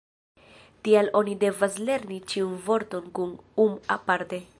Tial oni devas lerni ĉiun vorton kun -um- aparte.